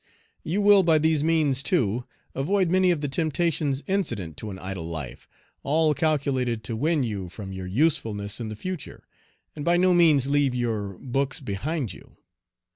You will by these means, too, avoid many of the temptations incident to an idle life all calculated to win you from your usefulness in the future, and by no means leave your books behind you.